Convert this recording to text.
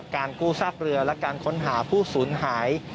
การกู้ซากเรือและการค้นหาผู้สูญหาย